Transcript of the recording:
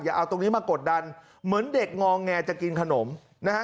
เอาตรงนี้มากดดันเหมือนเด็กงอแงจะกินขนมนะฮะ